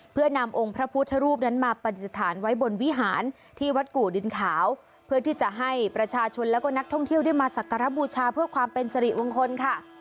เพื่อนำองค์พระพุทธรูปนั้นมาปฏิสถานไว้บนวิหารที่วัดกู่ดินขาวเพื่อที่จะให้ประชาชนแล้วก็นักท่องเที่ยวได้มาสักการะบูชาเพื่อความเป็นสิริมงคลค่ะ